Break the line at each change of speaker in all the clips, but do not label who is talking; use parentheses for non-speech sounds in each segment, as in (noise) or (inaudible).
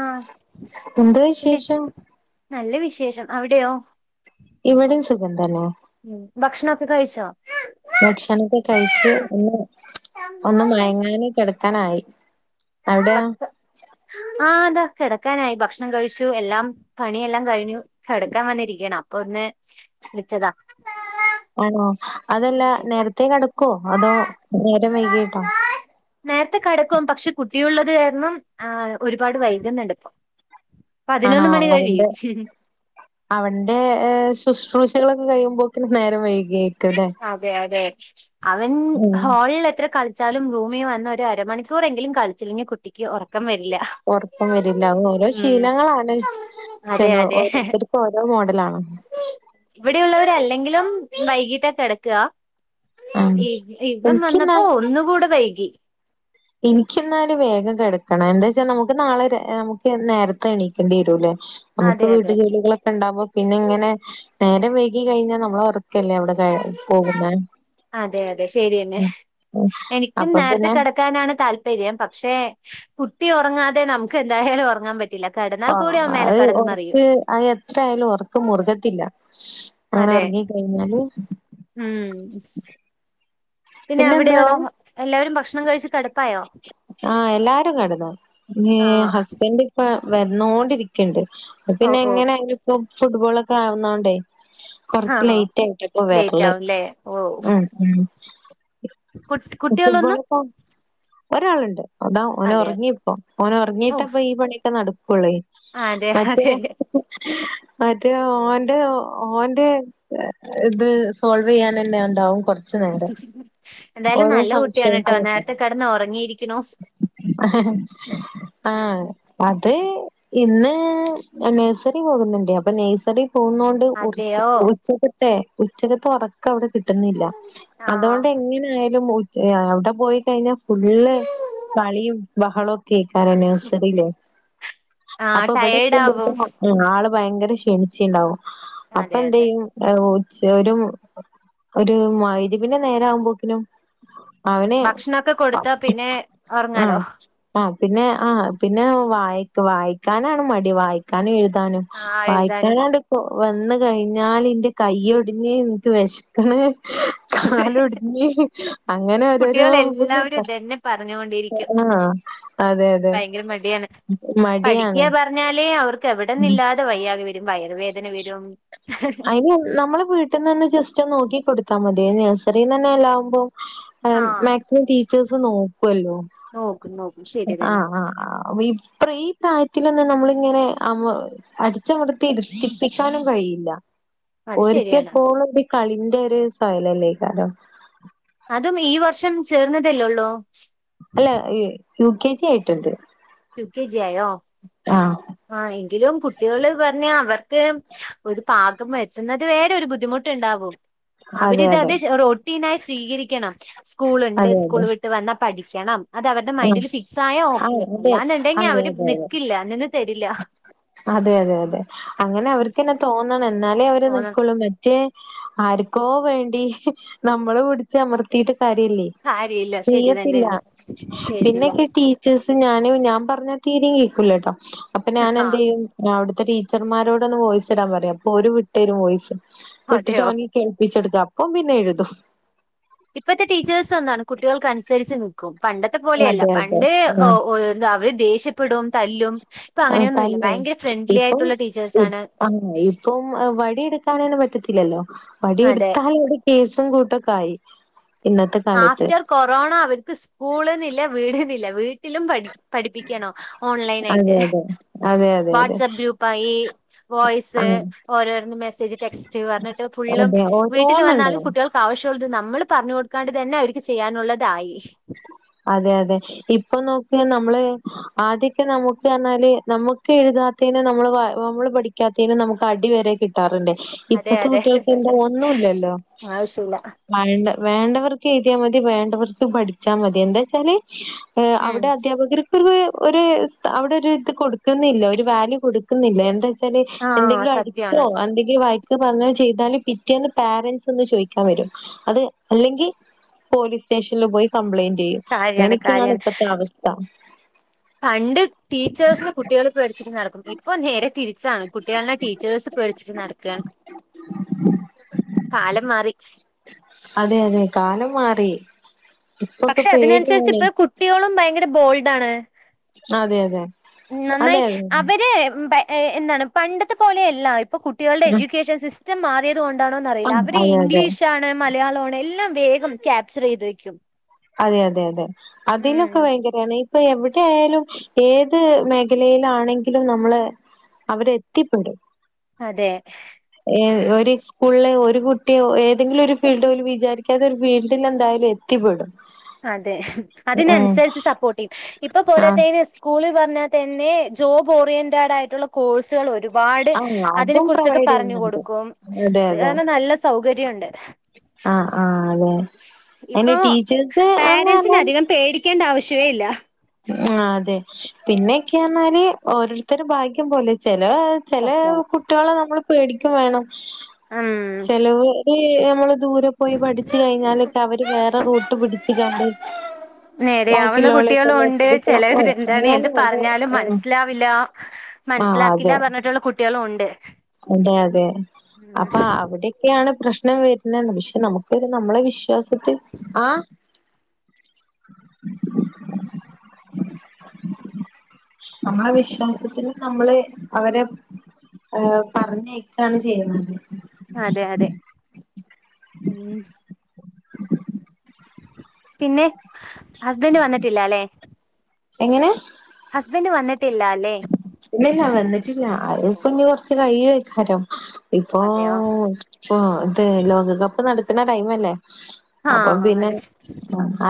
ആഹ്
എന്താ
പിന്നെ
വിശേഷം
നല്ല വിശേഷം അവിടെയോ
ഇവെടിം സുഖം തെന്നെ
ഡ് കഴിച്ചോ?
കഴിച്ച് ഒന്ന് ക്കാനായി അവിടെയൊ?
ആഹ് ഇതാ കെടക്കാനായി ഭക്ഷണം കഴിച്ചു എല്ലാം പണിയെല്ലാം കഴിഞ്ഞു കെടക്കാൻ വന്നിരിക്കാണ് അപ്പൊ ഒ ന്ന് വിളിച്ചെതാ
ആണോ? അത് അല്ല നേരെത്തെ കടക്കോ അതോ നേരം വൈകിട്ടോ
ത്തെ കെടക്കും പക്ഷെ കുട്ടിയുള്ളത് കാരണം ഏഹ് ഒരുപാട് വൈകുന്നുണ്ട് ഇപ്പം
ആണോ അവന്റെ അവന്റെ സുശ് ശ്രൂഷകളൊക്കെ കഴുമ്പോത്തിന് നേരം വൈകെയ്
അതെ അതെ അവൻ
ഉം
ഹോളിൽ എത്ര കള് ച്ചാലും റൂമി വന്ന് ഒര് അരമണിക്കൂറെങ്കിലും കളിച്ചില്ലെങ്കിൽ കുട്ടിക്ക് ഒറക്കം വരി
ഒറക്കം വെരില്ല അത് ഓരോ ശീലങ്ങളാണ്
അതെ
ചിലോ
അതെ
ഓരോര്ത്തെർക്ക് ഓരോ മോഡലാണോ
ഇവിടെയുള്ളവെര് അല്ലെങ്കിലും വൈകിട്ടാ കെടക്കാ
ആ
ഇ ഇവെൻ
എനിക്കിന്നാ
വന്നപ്പോ ഒന്നു കൂടെ വൈകി
ഇൻക്ക് ഇന്നാൽ വേഗം കെടക്കണം എന്താച്ചാ നമുക്ക് നാളെ രെ നമ്മുക്ക് നേര്ത്തെ എണീക്കേണ്ടി വെരുലെ നമുക്ക്
അതെ
വീട്ട്
അതെ
ജോലികളൊക്കെ ഇണ്ടാവുമ്പോ പിന്നെ ഇങ്ങെനെ നേരം വൈകി കഴിഞ്ഞാ നമ്മള ഉറക്കല്ലേ അവിടെ കാ പോകുന്നേ.
അതെ അതെ ശരിയെന്നെ. എനിക്കും
അപ്പൊ
നേരത്തെ
പിന്നെ
കിടക്കാനാണ് താൽ പര്യം. പക്ഷെ കുട്ടി ഉറങ്ങാതെ നമുക്ക് എന്തായാലും ഒറങ്ങാൻ പ
ആണോ അഹ് ഒർക്ക് അഹ് എത്ര ആയാലും ഒറക്കം മുറുകത്തില്ല. ങ്ങനെ
അതെ
ഒർങ്ങി കഴിഞ്ഞാല്
ഉം പിന്നെ അവിടെയോ എല്ലാവരും ഭക്ഷ്
ആഹ് എല്ലാരും കെടന്നു. ഞ്ഞീ
ആഹ്
ഹസ്ബന്റ് ഇപ്പ വന്നോണ്ടിരിക്ണ്ട്. പ
ഓ
പിന്നെ
ഓ
എങ്ങനായാലു പ്പൊ ഫുട്ബോൾ ഒക്കെ ആവുന്നോണ്ടേ കൊറച്ച്
ആഹ്
ലൈറ്റ് ആയിട്ടപ്പ
ലേറ്റ്
വെറ്ല്
ആവുംല്ലേ
ഉം ഉം
കുട്ട് കുട്ട്യേളോന്നും
ഫുട്ബോളിപ്പോ ഒരാളുണ്ട്. അതാ ഓനൊ
അതെ
ഒറങ്ങിപ്പോ ഓനൊ
ഓ
ഒറങ്ങിട്ടപ്പ ഈ പണിയൊക്കെ നട ക്കൊള്ളേ
അതെ
(inaudible)
അതെ
മറ്റേ ഓന്റെ ഓന്റെ ഇത് സോൾവ് ചെയ്യാൻ തന്നെ ഉണ്ടാവും കുറച്ച് നേരം
എന്തായാലും
ഓരോ
നല്ല കുട്ടിയാണ്
സംശയം
ട്ടോ നേരത്തെ കിടന്ന് ഉറങ്ങിയിരിക്കണു
ആ ആഹ് അ അ ഇന്ന് നഴ്സറി പോകുന്നുണ്ട് അപ്പൊ നഴ്സറി പോകന്നണ്ട്
അതെയോ
ഉച്ചകത്തെ ഉച്ചകത്ത് ഉറക്ക അവിടെ കിട്ടുന്നില്ല
ആഹ്
അതുകൊണ്ട് എങ്ങനെ ആയാലും അടെ പോയി കഴിഞ്ഞാൽ ഫുള്ള് കളിയും ബഹളവും ഒക്കെ കേൾക്കാം നഴ്സറിയിലേ (inaudible)
ആഹ് ടയേർഡ് ആവും
(inaudible) ഭയങ്കര ക്ഷണിച്ചി ഉണ്ടാവും അപ്പൊ
അതെ
എന്ത
അതെ
ചെയ്യും ഒരു ഒരു മഗ്‌രിബിന്റെ നേരാവുമ്പോക്കിനും അവന്
ഭക്ഷണൊക്കെ കൊടുത്താ പിന്നെ ഉറങ്ങാലോ
ആഹ് ആഹ് പിന്നെ ആഹ പിന്നെ വ വായിക്കാനാണ് മടി വായിക്കാനും എഴു.. എഴുതാനും
ആഹ് എഴുതാനും
വായിക്കാനാണ്ട വന്ന കഴിഞ്ഞാൽ എന്റെ കയൊടിഞ്ഞ് നിനിക്ക് വിശക്കണ കാല്‌ ഒടിഞ്ഞ അങ്ങനെ ഒരോരോ
കുട്ടികൾ എല്ലാവരും ഇതന്നെ പറഞ്ഞുകൊണ്ടിരിക്കും
ആഹ അതെ അതെ
ഭയങ്കര മടിയാണ്
മടിയാണ്
പഠിക്കുക പറഞ്ഞാലേ അവർക്ക് എവിടന്നില്ലാതെ വയ്യാകെ വരും വയറുവേദന വരും
അതിന് നമ്മള് വീട്ടിൽന്ന് തന്നന്ന് ജസ്റ്റ് നോക്കി കൊടുത്താ മതി നഴ്റിന്ന് തന്നെ എല്ലാാവുമ്പോം
ആഹ്
മാക്സിമം ടീച്ചേഴസ് നോ ല്ലോ
നോക്കും നോക്കും ശരി
ആ
തന്നെ
പ്രായത്തി ത്തിൊന്ന് നമ്മളിങ്ങനെ ആ അടിച്ചമർത്തി രുത്തിപ്പിക്കാനും കഴിയില്ല
അത്
ഒരിക്ക
ശരിയാണ്
എപ്പോും ഒരു കളിറെ ഒരു സ്യലല്ലേ കാരണം
അതും ഈ വർഷം ചേർന്നതല്ലോള്ളോ
അല്ല യു കെ ജി ആയിട്ടുണ്ട്
കെ ജി ആയോ
ആഹ്
ആ എങ്കിലും കുട്ടികള് പറഞ്ഞ അവർക്ക് ഒരു പാകം എത്തുന്നത് വേറെ ഒരു ബുദ്ധിമുട്ട്ുണ്ടാവും
അതെ അതെ
അവരിതത് റൊട്ടീനായി സ്വീകരിക്കണം സ്കൂളുണ്ട്
അതെ അതെ
സ്കൂൾ വിട്ട് വന്ന പഠിക്കണം അത് അവരുടെ
ആഹ്
മൈൻഡ ഫിക്സ്ായയ ഓക്കെ
ആഹ് അതെ
അല്ലാന്നുണ്ടെങ്കി
അതെ
അവര്
അതെ അതെ
നക്കില്ല നിന്ന് തരില്ല
അതെ അതെ അതെ അങ്ങനെ അവർക്ക്ന്നെ തോന്നണം എന്നാലേ അവര്
പോന്ന
നൽക്കുള്ളൂ മറ്റേ ആർക്കോ വേണ്ടി നമ്മള് പിടിച്ച് അമർത്തിയിട്ട് കരില്ലേ
കാര്യല്ല ശരി
ചെയ്യത്തില്ല
തന്നെയാണ് ചെയ്തില്ല
പിന്നൊക്കെ ടീച്ചേഴ്സ് ഞാൻ ഞാൻ പറഞ്ഞാ തീരയും കേൾക്കല കേട്ടോ അപ്പൊ ഞാൻ എന്ത
ആഹ്
ചെയ്യും അവിടുത്തെ ടീച്ചർമാരോടൊന്ന് വോയിസ് ഇടാൻ പറയാം അപ്പൊ ഒരു വിട്ടേരും വോയിസ്
അതെയോ
വിട്ടിട്ടോങ്ങി കേൾപ്പിച്ചടുക്ക അപ്പൊ പിന്നെ എഴുതും
ഇപ്പഴത്തെ ടീച്ചേഴ്സ് ഒന്നാണ് കുട്ടികൾക്ക് അനുസരിച്ച് നൽക്കും പണ്ടത്തെ പോലെയല്ല
അതെ അതെ
പണ്ട്
ആഹ്
അവര് ദേഷ്യപ്പെടും തല്ലും ഇപ്പൊ
ആഹ്
അങ്ങനെയൊന്നുംല്ല
തന്നെ
ഭയങ്കര ഫ്രണ്ട്ലി
ഇപ്പം
ആയിട്ടുള്ള ടീച്ചേഴ്സാണ്
ആ ഇപ്പം വഴിയ എടുക്കാനാണ് പറ്റ ത്തില്ലല്ലോ വടിയ
അതെ
എടുത്താാല അത് കേസും കൂട്ടൊക്കെ ആയി ഇന്നത്തെ കാലത്ത്
ആഫ്റ്റർ കൊറോണ അവർക്ക് സ്കൂളന്നില്ല വീടന്നില്ല വീ ുംഠ പഠിപ്പിക്കണോ ഓൺലൈൻ
അതെ
ആയിട്ട്
അതെ അതെ അതെ അതെ
വാട്സ്ആപ്പ് ഗ്രൂപ്പായി വോയ്സ്
ആഹ്
ഓരോരുന്ന് മെസ്സേജ് ടെക്സ്റ്റ് പറഞ്ഞിട്ട് ഫു
അതെ
വീട്ടിൽ വന്നാലും
ഓരോന്നുണ്ടാവും
കുട്ടികൾക്ക് ആവശ്യ ത് നമ്മൾ പറഞ്ഞു കൊടുക്കാണ്ട് തന്നെ അവർക്ക് ചെയ്യാനുള്ളതായി
അതെ അതെ ഇപ്പൊ നോക്കുക നമ്മള് ആദ്യൊക്കെ നമുക്ക് പറഞ്ഞാല് നമുക്ക് എഴുതാത്ത നമ്മള് നമ്മള് പഠിക്കാത്തേനും നമുക്ക് അടി വരെ കിട്ടാറുണ്ട്
അതെ
ഇപ്പത്തെ
അതെ
കുട്ടികൾക്ക് എന്താ ഒന്നുമല്ലല്ലോ
ആവശ്യല്ല
വേണ്ട വേണ്ടവർക്ക് എഴുതിയാൽ മതി വേണ്ട കുറച്ച് പഠിച്ചാൽ മതി എന്താ വെച്ചാല്
ഉം
അവിടെ അധ്യാപകർക്ക് ഒരു ഒരു അവിടെ ഒരു ഇത് കൊടുക്കുന്നില്ല ഒരു വാല്യൂ കൊടുക്കുന്നില്ല എന്താ െ
ആഹ്
എന്തെങ്കിലും അടിച്ചോ
സത്യാണ്
എന്തെങ്കിലും വയക്ക പറഞ്ഞ ചെയ്താലും പിറ്റേന്ന് പാരന്റ്സ് ഒന്ന് ചോദിക്കാൻ വരും അത് അല്ലെങ്കിൽ പോലീസ് സ്റ്റേഷനിൽ പോയി കംപ്ലൈയിന്റ് ചെയ്യും
കാര്യാണ്
അങ്ങനെയൊക്കെയാണ്
കാര്യാണ്
ഇപ്പോത്തെ അവസ്ഥ
പണ്ട് ടീച്ചേഴ്സ്ന് കുട്ടികൾ പേഠിച്ചിട്ട് നടക്കും ഇപ്പൊ നേരെ തിരിച്ചാണ്. കുട്ടികളനെ ടീച്ചേഴ്സ് പേടിച്ചിട്ട് നടക്ക കാലം മാറി
അതെ അതെ കാലം മാറി. ഇപ്പൊക്കെ
പക്ഷെ അതിനനുസരിച്ച
പേടിയാണ്
ഇപ്പ കുട്ടികളും ഭയങ്കര ബോൾഡാണ്.
അതെ അതെ
നന്നായി
അതെ അതെ
അവര് എന്താണ് പണ്ടത്തെ പോലെയല്ല. അപ്പൊ കുട്ടികളുടെ എഡ്യൂക്കേഷൻ സിസ്റ്റം മാറിയത് കൊണ്ടാണോന്ന് അറിയില്ല
അതെ
അവര്
അതെ അതെ
ഇംഗ്ലീഷാണ്. മലയാള എല്ലാം വേഗം ക്യാപ്ചർ ചെയ്ത് വയ്ക്കും.
അതെ അതെ അതെ അതിലൊക്കെ ഭയങ്കരാണ്. ഇപ്പൊ എവിടെ ആയാലും ഏത് മേഖലയിലാണെങ്കിലും നമ്മള് അവര് എത്തിപ്പെടും.
അതെ
(unintelligible) ഒരു കുട്ടിയോ ഏതെങ്കിലും ഒരു ഫീൽഡ് പോലും വിചാരിക്കാതെ ഒരു ഫീൽഡിൽ എന്തായാലും എത്തിപ്പെടും
അതെ
ഉം
അതിനനുസരിച്ച് സപ്പോർട്ട് യ്യും ഇപ്പൊ
ആഹ്
പോരത്തന് സ്കൂളി പർഞ്ഞാ തെന്നെ ജോബ് ഓറിയന്റഡായിട്ടുള്ള കോഴ്സുകൾ ഒരു ഒരുപാട്
ആഹ്
അതിനെ
അതും
കുറിച്ചൊക്കെ
പ്രൊവൈഡ്
പറഞ്ഞു
ചെയ്യുന്നുണ്ട്.
കൊടുക്കും. അത് കാരണം നല്ല സൗകര്
ആ ആ അതെ അയിന് ടീച്ചേർസ്
പേരൻസ്നധികം പേടിക്കേണ്ട ആവശ്യവേ ഇല്ല.
ആ അതെ പിന്നെക്കെയഞാല് ഓരോരുത്തരെ ഭാഗ്യം പോലെ ചെല് ലേ ചെലേ
സത്യാണ്
കുട്ട്യാളെ നമ്മൾ പേടിക്കും വേണം ചെലോര് ഞമ്മള് ദൂരെ പോയി പഠിച്ച് കഴിഞ്ഞാലൊക്കെ അവര് വേറെ റൂട്ട് പിടിച്ച്കാണ്ട്
നേരെയാവുന്ന കുട്ടിയ
ബാക്കിയുള്ളോലെയൊക്കെ
ളുണ്ട്
നശിപ്പിക്കണം
ചെലേവര്
ഓഹ്
എന്താണ് എന്ത്
അങ്ങനെ അത്
പറഞ്ഞാലും
ആഹ്
മനസിലാവില്ല
ആഹ്
മനസിലാക്കില്ല
അതെ
പറഞ്ഞിട്ട്ള്ള കുട്ട്യാളും ഒണ്ട്.
അതെ അതെ അപ്പൊ അവിടൊക്കെയാ പ്രശ്നം വരുന്നാണ് പക്ഷെ നമുക്കൊരു നമ്മളെ വിശ്വാസത്തിൽ ആ നമ്മളെ വിശ്വാസത്തിന് നമ്മള് അവരെ പറഞ്ഞക്കാണ് ചെയ്യുന്നത്.
അതെ അതെ മ്മ് പിന്നെ ഹസ്ബൻഡ് വന്നിട്ടില്ലാലെ
എങ്ങനെ
അല്ലേ
ഇല്ല ഇല്ല വന്നിട്ടില്ല അത്പ്പഞ് കൊർച്ച് കഴിയുയേക്കാരം ഇപ്പോ
അതെയോ
ഇപ്പ ഇത് ലോകകപ്പ് നടക്ണ ടൈമല്ലേ അപ്പം
ആഹ്
പിന്നെ
അതെ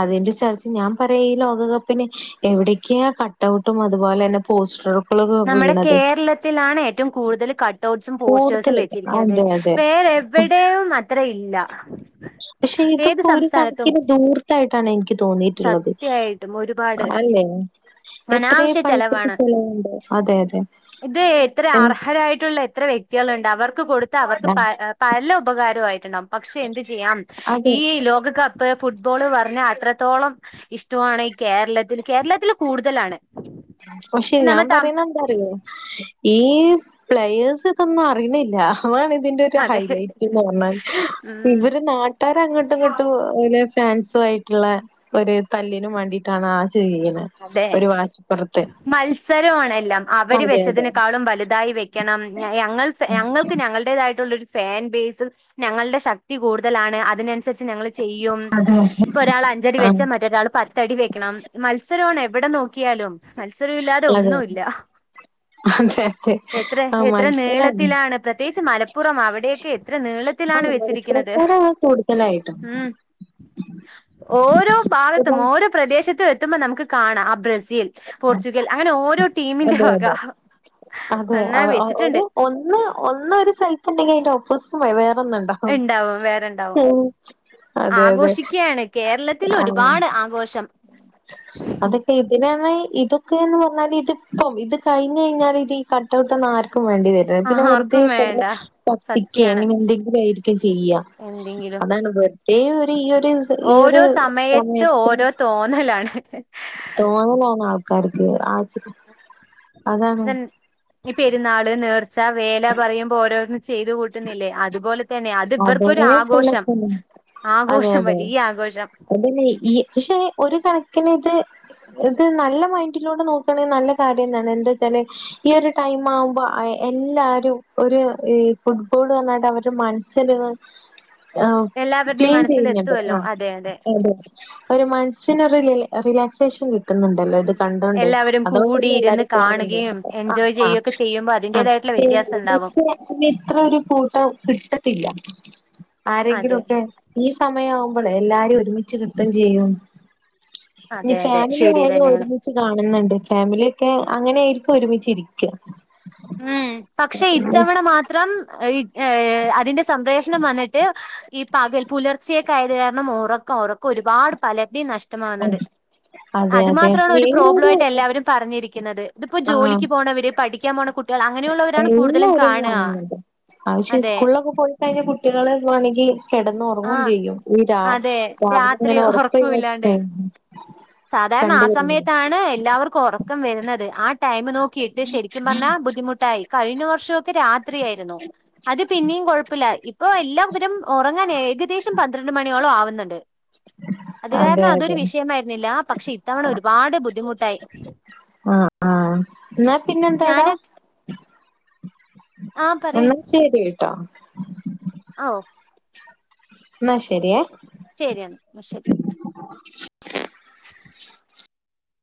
അതിന്റെ ച് വിചാരിച് ഞാൻ പറയാ ഈ ലോകകപ്പിന് എവിടൊക്കെയ കട്ടഔട്ടും അതുപോലെ തന്നെ പോസ്റ്ററും
നമ്മടെ കേരളത്തിലാണ് ഏറ്റവും കൂടുതൽ കട് കട്ടൗട്സും പോസ്റ്റേഴ്സും
കൂടുതൽ
വെച്ചിരിക്കുന്നത്
അതെ അതെ
വേറെ എവിടെയും അത്ര ഇല്ല.
പക്ഷെ
ഏത്
ഇതൊക്കെ ഒരു
സംസ്ഥാനത്തും
കണക്കിന് ദൂർത്തായിട്ടാണ് എനിക്ക് തോന്നീട്ട്ള്ളത്.
സത്യായിട്ടും ഒരുപാട്
അല്ലെ എത്രേ
അനാവശ്യ
പൈസക്ക്
ചെലവാണ്
ചെലവുണ്ട് അതെ അതെ.
ഇത് എത്ര അർഹരായിട്ടുള്ള എത്ര വ്യക്തികള്ണ്ട് അവർ ക്ക് കൊടുത്ത അവർക്ക് പല ഉപകാരൊ ആയിട്ടുണ്ടകും പക്ഷെ എന്ത് ചെയ്യാം
അതെ
ഈ ലോകകപ്പ് ഫുട്ബോള് പറഞ്ഞ അത്രത്തോളം ഇഷ്ടവാണ് ഈ കേരളത്തിൽ കേരളത്തിൽ കൂടുതലാണ്.
പക്ഷെ
നമ്മ
ഞാൻ
ത
പറയുന്ന എന്താറിയോ ഈ പ്ലയേഴസ് ഇതൊന്നും അറിണില്ല അതാണ് ഇതിന്റെ ഒരു
അതെ
ഹൈലൈറ്റ്ന്ന് പറഞ്ഞാല്
ഉം
ഇവര് നാട്ടാരങ്ങട്ടും ഇങ്ങട്ടും ഓലെ ഫാൻ ഫൻസു ആയിട്ട്ള്ള ഒരു തല്ലിനും വേണ്ടിട്ടാണ് ആ ചെയ്യാണെ ഒരു വാ
മത്സരൊവാണെല്ലാം അവര്
അതെ അതെ
വെച്ചതിനെക്കാളും വലുതായി വെക്കണം ഞയ ഞങ്ങൾ ഞങ്ങക്ക് ഞങ്ങളടേതായിട്ടുള്ളൊരു ഫാൻ ബേസ് ഞങ്ങളുടെ ശക്തി കൂടുതലാണ് അതിനനുസര് ച് ഞങ്ങള് ചെയ്യും ഇത്പ്പോ ഒരാളഞ്ചടി
ആഹ്
വെച്ചാ മറ്റൊരാൾ പത്തടി വെക്കണം മത്സ് മത്സരവാണ് എവടെ നോക്കിയാലും മത്സരംവില്ലാതെ
അതെ അതെ
ഒന്നുവില്ല
അതെ
എത്ര
ആഹ്
എത്ര
മത്സരാണ്
നീളത്തിലാണ് പ്രത്യേകിച്ച് മലപ്പുറം അവിടെയൊക്കെ എത്ര നീളത് ത്തിലാണ്
ആഹ്
വെച്ചിരിക്കുന്നത്
മത്സരക്കാരാണ് കൂടുതലായിട്ടും
മ്മ് ഓരോ ഭാഗത്തും
ഇപ്പൊ
ഓരോ പ്രദേശത്തും എത്തുമ്പോ നമുക്ക് കാണാം ആ ബ്രെസ് ൽ പോർച്ചുഗൽ അങ്ങനെ ഓരോ ടീമിന്റെ
അതെ
വക
അതെ അതെ
നന്നായി
ഒരു
വെച്ചിട്ടുണ്ട്
ഒന്ന് ഒന്നൊരു സ്ഥലത്ത് ഇണ്ടെങ്കിൽ അയിന്റെ ഓപ്പോസിറ്റ് വേറ് റൊന്നും ഉണ്ടാകും
ഇണ്ടാവും വേറെണ്ടാവും
ഉം അതെ അതെ
ആഘോഷിക്കയാണ് കേരളത്തിൽ
ആഹ്
ഒരുപാട് ആഘോഷം
അതൊക്കെ ഇതിന ഇതൊക്കെന്ന് പറഞ്ഞാല് ഇതിപ്പം ഇത് കഴിഞ്ഞഞ് കഴിഞ്ഞാല് ഇത് ഈ കട്ടഔട്ട് ആ വേണ്ടി വെരൂല പിന്നെ വെറതെ
ആർക്കും വേണ്ട
കയിഞാ കത്തിക്കേ
സത്യാണ്
അങ്ങനെ എന്തെങ്കിലും ഒക്കെ ചെയ്യാ
എന്തെങ്കിലും
അതാണ് വെർതേ ഈ ഒരു ഈ ഒരു
ഓരോ
സമയത്ത്
ഓരോ തോന്നലാണ്
തോന്നലാണ് ആൾക്കാർക്ക് ആ
തൻ ഈ പെരുന്നാള് നേർച്ച വേല പറയുമ്പോ ഓരോന്നും ചെയ്ത് കൂട്ടുന്നില്ലേ അതുപോലെ തന്നെ അത് ഇവർക്കൊരു
അതേപോലെ
ആഘോഷം
തന്നെ അതെ
ആഘോഷം
അതെ
വലിയ ആഘോഷം
അതെന്യയ് ഈ പക്ഷെ ഒരു കണക്കിന് ഇത് ഇത് നല്ല മൈൻഡിലൂടെ നോക്കണേ നല്ല കാര്യംതന്നെ എന്താ വെച്ചാല് ഈ ഒരു ടൈം ആവുമ്പോ എല്ലാരും ഒരു ഈ ഫുട്ബോള്ന്ന് പറഞ്ഞാണ്ട് അവരുടെ മനസ്സിൽ ആ
എല്ലാവരുടെയും
ക്ലീൻ ചെയ്യുന്നുണ്ട്
മനസ്സിലെത്തുവല്ലോ
ആ
അതെ
അതെ ഒരു മനുഷ്യനറിലേ റിലാക്സേഷൻ കി ന്നുണ്ടല്ലോ ഇത്
ഉം
കണ്ടൊണ്ട്
എല്ലാവരും
അതോണ്ടന്നെ
കൂടിയിരുന്ന്
എല്ലാരും കാണ
കാണുകയും
ആ
എൻജോയ്
ആ
ചെയ്യുകയൊക്കെ ചെയ്യുമ്പോ
ആ
അതിന്റേതായിട്ടുള്ള വ്യത്യാസം ഉണ്ടാവും
ചെയച്ച അ ഇത്രൊ ഒരു കൂട്ടം കിട്ടത്തി
അതെ
ആരെങ്കിലൊക്കെ ഈ സ യാവുമ്പോളെ എല്ലാരും ഒരുമിച്ച് കിട്ടും ചെയ്യും ഇനി
അതെ അതെ
ഫാമിലി
ശരി
ആയാലും
തന്നെയാണ്
ഒരുമിച്ച് കാണുന്നുണ്ട് ഫാമിലി എ അങ്ങനായിരിക്കും ഒരുമിച്ചിരിക്ക
ഉം പക്ഷെ ഇത്തവണ മാത്രം ഇ എം അതിന്റെ സംപ്രേഷണം വന്നിട്ട് ഈ പക പുലർച്ചെയായത് കാര കണം ഉറക്കം ഉറക്കം ഒരുപാട് പലരുടെയും നഷ്ടമാകുന്നുണ്ട്
അതെ
അത്
അതെ
മാത്രമാണ് ഒരു പ്രോബ്ലം
വേറൊരു
ആയിട്ട് എല്ലാവരും പറഞ്ഞിരിക്കുന്നത് ഇതിപ്പോ ജോലിക്ക് പോണവര് പഠി
എല്ലാരും കാണുന്ന്ണ്ട് ആ ഷെ
അതെ
സ്കൂളിലൊക്കെ പോയിട്ടഴിഞ്ഞ കുട്ടികളെ വേണങ്കിൽ കിടന്ന്
ആ
ഉറങ്ങയും ചെയ്യും ഈ രാ
അതെ രാത്രി
അവനങ്ങനെ
ഉറക്കമില്ലാണ്ട്
ഉറക്കൊഴിഞ്ഞിട്ടേ
സാധാരണ ആ സമയത്താണ് എല്ലാവർക്കും ഉറക്കം വരുന്നത് ആ ടൈം നോക്കിയിട്ട് ശരിക്കും പറഞ്ഞാൽ ബുദ്ധിമുട്ടായി കഴിഞ്ഞ വർഷൊക്കെ രാത്രിയായിരുന്നു അത് പിന്നെയും കൊഴപ്പല്ല ഇപ്പൊ എല്ലാരും ഉറങ്ങാൻ ഏകദേശം പന്ത്രണ്ട് മണിയോളം ആവുന്നുണ്ട് അത്
അതെ
കാരണം അതൊരു
അതെ
വിഷയംമായി ല്ലാ പക്ഷെ ഇത്തവണ ഒരുപാട് ബുദ്ധിമുട്ടായി
അത്തട
ഞാന ആ
എന്നാൽ ശരി ട്ടോ
ആ ഓ
ന്നാ ശെരിയെ
ശെരിയാണ് മ ശെരി
ഏ